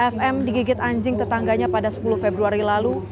fm digigit anjing tetangganya pada sepuluh februari lalu